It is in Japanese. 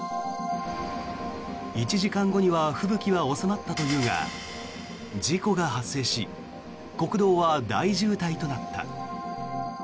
１時間後には吹雪は収まったというが事故が発生し国道は大渋滞となった。